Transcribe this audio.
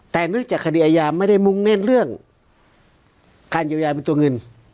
แต่เนื่องจากคดีอายาไม่ได้มุ่งเน้นเรื่องการเยียวยาเป็นตัวเงิน